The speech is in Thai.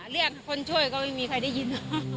เรียกคนช่วยก็ไม่มีใครได้ยิน